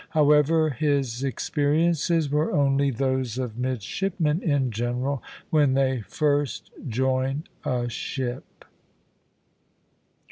However, his experiences were only those of midshipmen in general when they first join a ship.